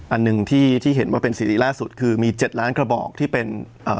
อันหนึ่งที่ที่เห็นว่าเป็นซีรีสล่าสุดคือมีเจ็ดล้านกระบอกที่เป็นเอ่อ